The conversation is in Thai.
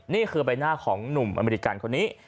นี่คือใบหน้าของหนุ่มอเมริกันคนนี้